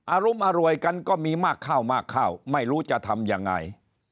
อารมณ์อร่วยกันก็มีมากข้าวมากข้าวไม่รู้จะทำยังไง